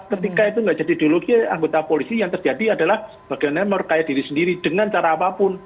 ketika itu nggak jadi ideologi anggota polisi yang terjadi adalah bagaimana merkaya diri sendiri dengan cara apapun